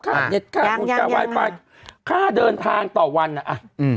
ค่าเน็ตค่ายังยังยังค่าเดินทางต่อวันอ่ะอืม